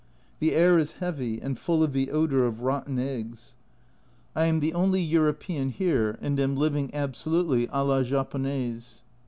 The air is heavy, and full of the odour of rotten eggs. I am the only European here, and am living absolutely a la Japonaise.